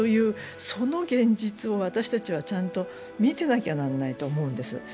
その現実を私たちは、ちゃんと見てなきゃならないと思うんです。